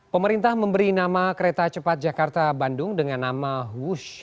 pemerintah memberi nama kereta cepat jakarta bandung dengan nama wush